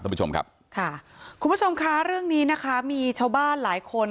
คุณผู้ชมครับค่ะคุณผู้ชมค่ะเรื่องนี้นะคะมีชาวบ้านหลายคน